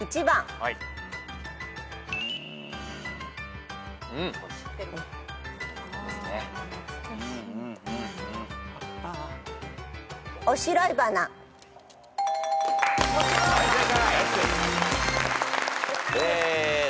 はい正解。